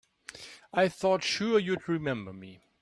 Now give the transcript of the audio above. I thought sure you'd remember me.